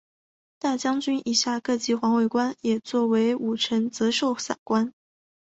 大将军以下各级环卫官也作为武臣责授散官。